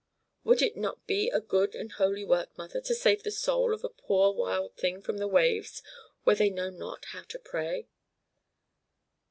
Would it not be a good and holy work, mother, to save the soul of a poor wild thing from the waves where they know not how to pray?"